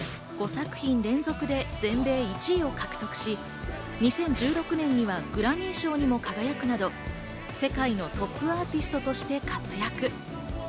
５作品連続で全米１位を獲得し、２０１６年にはグラミー賞にも輝くなど、世界のトップアーティストとして活躍。